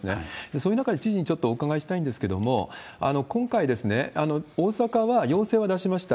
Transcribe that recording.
そういう中で知事にちょっとお伺いしたいんですけれども、今回、大阪は要請は出しました。